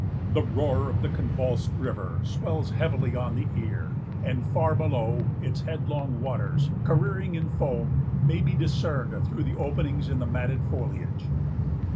The roar of the convulsed river swells heavily on the ear; and, far below, its headlong waters, careering in foam, may be discerned through the openings of the matted foliage.